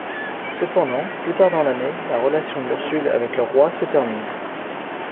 Cependant, plus tard dans l'année, la relation d'Ursule avec le roi se termine.